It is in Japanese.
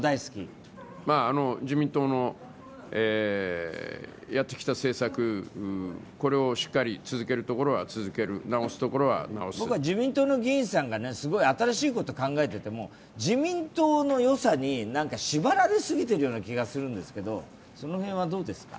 自民党のやってきた政策をしっかり続けるところは続ける僕は自民党の議員さんが、すごい新しいことを考えてても自民党のよさに縛られすぎているような気がするんですけど、どうですか？